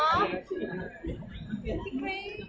เวลาแรกพี่เห็นแวว